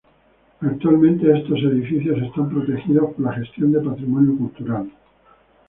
Actualmente, estos edificios están protegidos por la gestión de patrimonio cultural.